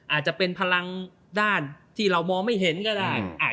อาจจะเป็นพลังด้านที่เรามองไม่เห็นก็ได้